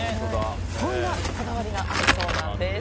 こんなこだわりがあるそうです。